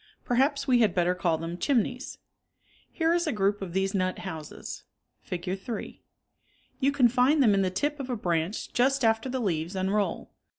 Perhaps we had better call them chimneys. Here is a group of these nut houses (Fig. 3). You can find them in the tip of a branch just after the leaves unroll.